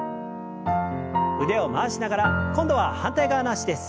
腕を回しながら今度は反対側の脚です。